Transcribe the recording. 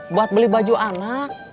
buat beli baju anak